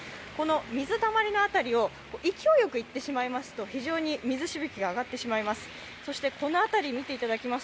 水たまりの辺りを勢いよく行ってしまうと非常に水しぶきが上がってしまいます。